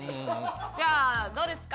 じゃあどうですか？